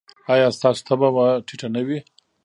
ایا ستاسو تبه به ټیټه نه وي؟